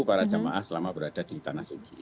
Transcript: para jemaah selama berada di tanah suji